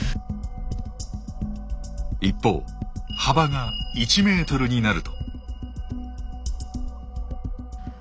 一方幅が１ｍになると。